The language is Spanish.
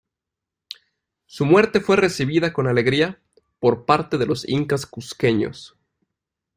Su muerte fue recibida con alegría por parte de los incas cuzqueños.